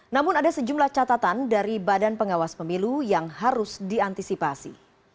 namun ada sejumlah catatan dari badan pengawas pemilu yang harus diantisipasi